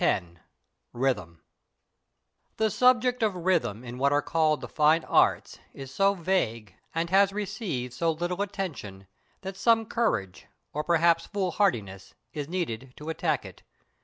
X RHYTHM The subject of Rhythm in what are called the Fine Arts is so vague, and has received so little attention, that some courage, or perhaps foolhardiness, is needed to attack it.